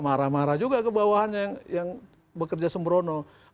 marah marah juga kebawahannya yang bekerja sembrono